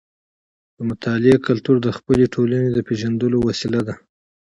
د مطالعې کلتور د خپلې ټولنې د پیژندلو وسیله ده.